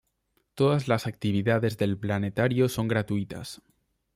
Todas las actividades del planetario son gratuitas.